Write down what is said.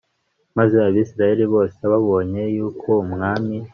Maze Abisirayeli bose babonye yuko umwami